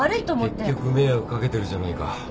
結局迷惑掛けてるじゃないか